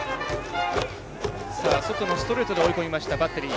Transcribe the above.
外のストレートで追い込みました。